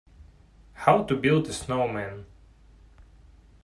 How to build a snowman.